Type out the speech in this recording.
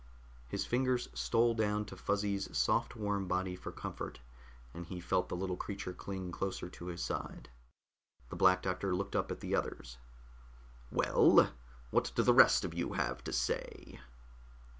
His fingers stole down to Fuzzy's soft warm body for comfort, and he felt the little creature cling closer to his side. The Black Doctor looked up at the others. "Well? What do the rest of you have to say?"